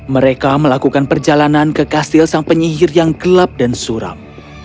mereka melakukan perjalanan ke kastil sang penyihir yang gelap dan suram